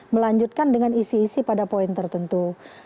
melanjutkan dengan isi isi pada poin tertentu